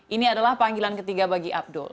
ini adalah panggilan ketiga bagi abdul